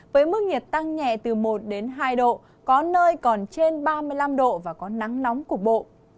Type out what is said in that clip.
với mức nhiệt tăng nhẹ từ một hai độ có nơi còn trên ba mươi năm độ và có nắng nóng cục bộ